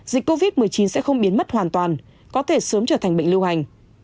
dịch covid một mươi chín sẽ không biến mất hoàn toàn có thể sớm trở thành bệnh lưu hành